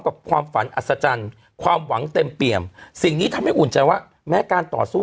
กับความฝันอัศจรรย์ความหวังเต็มเปี่ยมสิ่งนี้ทำให้อุ่นใจว่าแม้การต่อสู้